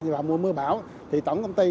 vào mùa mưa bão tổng công ty